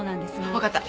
わかった。